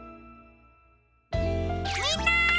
みんな！